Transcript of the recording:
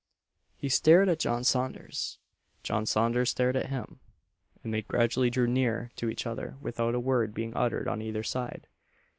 He stared at John Saunders John Saunders stared at him; and they gradually drew near to each other without a word being uttered on either side.